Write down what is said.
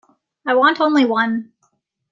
I want only one.